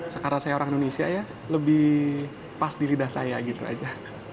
sekarang saya orang indonesia ya lebih pas di lidah saya gitu aja